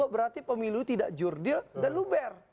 berarti pemilu tidak jurdil dan luber